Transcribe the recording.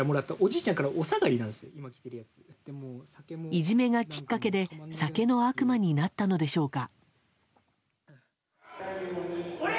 いじめがきっかけで酒の悪魔になったのでしょうか。